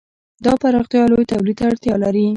دا پراختیا لوی تولید ته اړتیا لري.